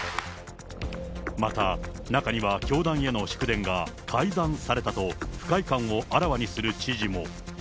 また、中には教団への祝電が改ざんされたと、不快感をあらわにする知事も。